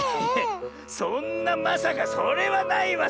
そんなまさかそれはないわ